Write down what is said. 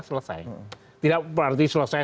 selesai tidak berarti selesai